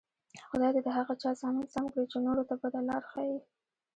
خدای دې د هغه چا زامن سم کړي، چې نورو ته بده لار ښیي.